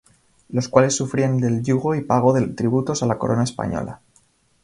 Los cuales sufrían del yugo y pago de tributos a la corona española.